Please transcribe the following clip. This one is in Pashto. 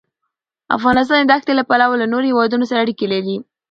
افغانستان د دښتې له پلوه له نورو هېوادونو سره اړیکې لري.